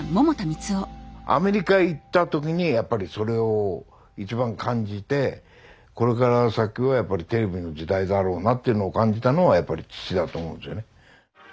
アメリカ行った時にやっぱりそれを一番感じてこれから先はやっぱりテレビの時代だろうなっていうのを感じたのはやっぱり父だと思うんですよね。